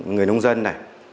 người nông dân này